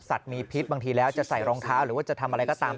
มีพิษบางทีแล้วจะใส่รองเท้าหรือว่าจะทำอะไรก็ตาม